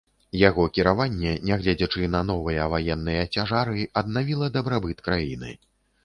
Яго кіраванне, нягледзячы на новыя ваенныя цяжары, аднавіла дабрабыт краіны.